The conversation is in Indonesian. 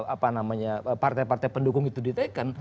apa namanya partai partai pendukung itu diteken